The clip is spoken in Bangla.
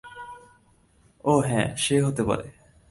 ওহ, হ্যাঁ, সে হতে পারে।